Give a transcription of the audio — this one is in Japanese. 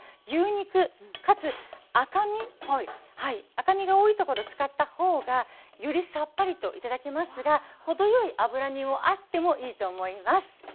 赤身が多いところ使ったほうがよりさっぱりと頂けますが程よい脂身もあってもいいと思います。